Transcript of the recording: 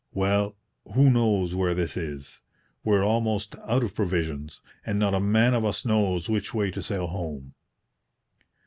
Well, who knows where this is? We're almost out of provisions, and not a man of us knows which way to sail home.'